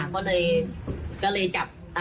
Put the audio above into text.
ก็เลย